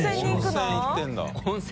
温泉行ってるんだ。